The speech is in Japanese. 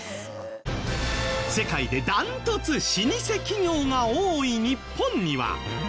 世界でダントツ老舗企業が多い日本には。